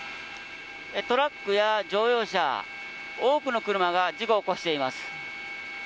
トラックや乗用車、多くの車が事故を起こしています。